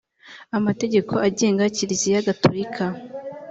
amategeko agenga kiliziya gatolika